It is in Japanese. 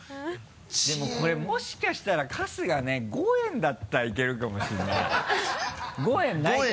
でもこれもしかしたら春日ね５円だったらいけるかもしれない５円ないかな？